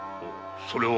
それは。